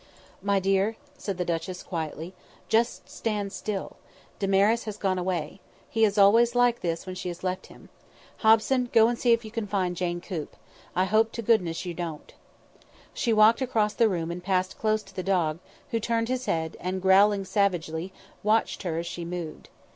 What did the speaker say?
"My dear," said the duchess quietly, "just stand still. Damaris has gone away. He is always like this when she has left him. Hobson, go and see if you can find Jane Coop. I hope to goodness you don't." She walked across the room and passed close to the dog, who turned his head and, growling savagely, watched her as she moved.